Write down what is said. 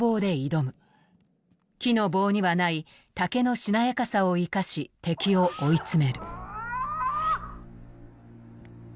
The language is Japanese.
木の棒にはない竹のしなやかさを生かし敵を追い詰める。